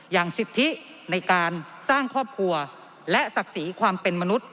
สิทธิในการสร้างครอบครัวและศักดิ์ศรีความเป็นมนุษย